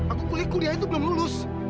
aku kuliah itu belum lulus